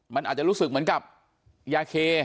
มันอาจจะรู้สึกเหมือนกับยาเค